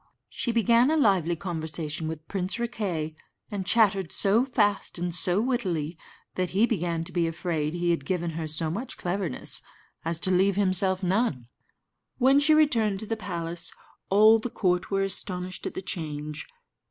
She began a lively conversation with Prince Riquet, and chattered so fast and so wittily, that he began to be afraid he had given her so much cleverness as to leave himself none. When she returned to the palace, all the court were astonished at the change.